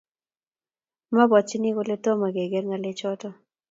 Mabwatyini kole, Tomo kegeere ngalechoto